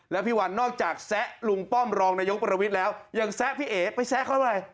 แล้วพี่วันนอกจากแซะลุงป้อมรองนายกประวิทย์แล้วยังแซะพี่เอ๋ไปแซะเขาหน่อย